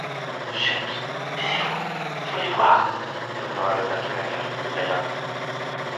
Chut ! taisez-vous, faut les voir ! murmura Levaque, avec un rire de paillardise.